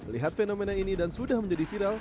lihat fenomena ini dan sudah menjadi viral